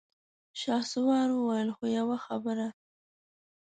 شهسوار وويل: خو يوه خبره!